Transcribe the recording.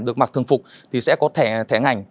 được mặc thường phục thì sẽ có thẻ ngành